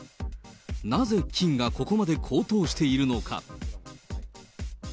なぜ金がここまで高騰しているのか。